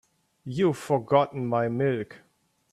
You've forgotten my milk.